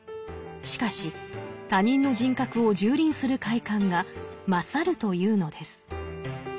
しかし他人の人格を蹂躙する快感が勝るというのです。